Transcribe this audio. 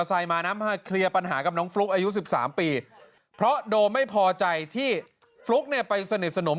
อายุ๑๓ปีเพราะโดมไม่พอใจที่ฟลุ๊กไปสนิทสนม